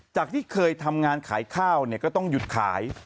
ที่เคยทำงานขายข้าวก็ต้องหยุดขาย